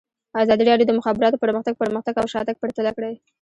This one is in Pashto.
ازادي راډیو د د مخابراتو پرمختګ پرمختګ او شاتګ پرتله کړی.